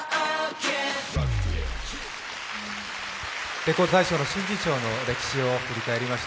「レコード大賞」の新人賞の歴史を振り返りました。